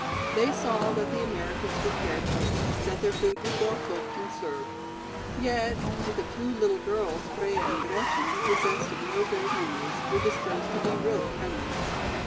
They saw that the Americans were cared for, that their food was well cooked and served. Yet only the two little girls, Freia and Gretchen, possessed of no bitter memories, were disposed to be really friendly.